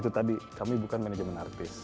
itu tadi kami bukan manajemen artis